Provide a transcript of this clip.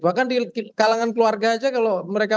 bahkan di kalangan keluarga saja kalau mereka